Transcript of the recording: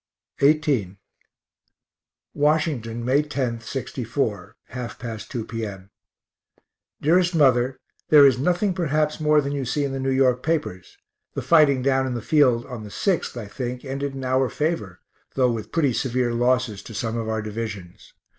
XVIII Washington, May 10, '64 (1/2 past 2 p.m.) DEAREST MOTHER There is nothing perhaps more than you see in the N. Y. papers. The fighting down in the field on the 6th I think ended in our favor, though with pretty severe losses to some of our divisions.